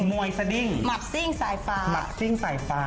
บ๊วยว์เสดิ้งหมดซิ้งสายฟ้า